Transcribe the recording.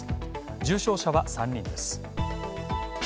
重症者は３人です。